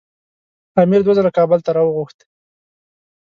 امیر دوه ځله کابل ته راوغوښت.